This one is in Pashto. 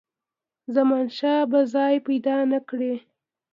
زمانشاه به ځای پیدا نه کړي.